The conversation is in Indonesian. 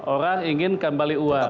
orang ingin kembali uang